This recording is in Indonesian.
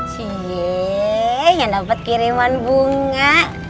cieee yang dapat kiriman bunga